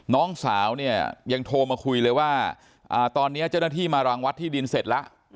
น้องสาวเนี่ยยังโทรมาคุยเลยว่าตอนนี้เจ้าหน้าที่มารางวัดที่ดินเสร็จแล้ว